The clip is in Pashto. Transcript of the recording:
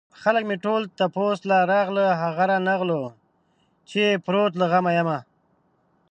خلک مې ټول تپوس له راغله هغه رانغلو چې يې پروت له غمه يمه